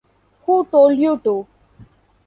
Who told you to?